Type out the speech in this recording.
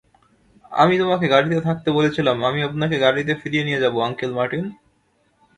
আমি তোমাকে গাড়িতে থাকতে বলেছিলাম আমি আপনাকে গাড়িতে ফিরিয়ে নিয়ে যাব, আংকেল মার্টিন।